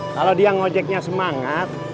kalau dia ngojeknya semangat